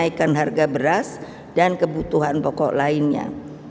kenaikan harga beras dan kebutuhan pokok lainnya